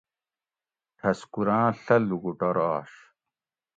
ٹھسکوراں ڷہ لوکوٹور آش